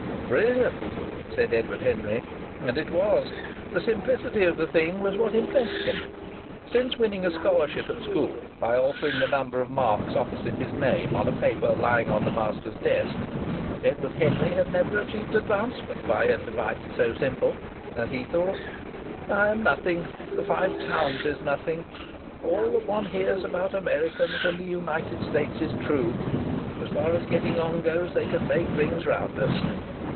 "Brilliant!" said Edward Henry. And it was! The simplicity of the thing was what impressed him. Since winning a scholarship at school by altering the number of marks opposite his name on a paper lying on the master's desk, Edward Henry had never achieved advancement by a device so simple. And he thought: "I am nothing! The Five Towns is nothing! All that one hears about Americans and the United States is true. As far as getting on goes, they can make rings round us.